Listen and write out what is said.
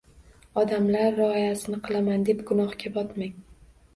Odamlar rioyasini qilaman, deb gunohga botmang.